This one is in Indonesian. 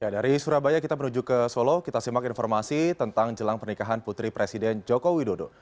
dari surabaya kita menuju ke solo kita simak informasi tentang jelang pernikahan putri presiden joko widodo